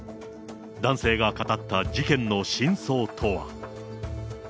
男性が語った事件の真相とは。